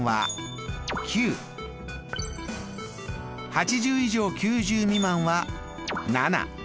８０以上９０未満は７。